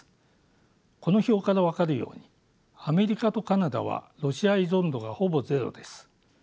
この表から分かるようにアメリカとカナダはロシア依存度がほぼゼロです。